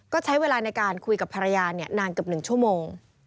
ก็ใช้เวลาในการคุยกับภรรยานานเกือบ๑ชั่วโมง